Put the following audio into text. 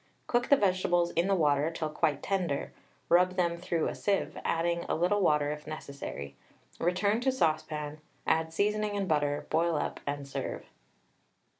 Cook the vegetables in the water till quite tender, rub them through a sieve, adding a little water if necessary; return to saucepan, add seasoning and butter, boil up and serve.